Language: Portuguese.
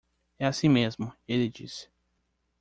É assim mesmo, ele disse.